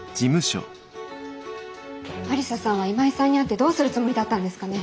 愛理沙さんは今井さんに会ってどうするつもりだったんですかね？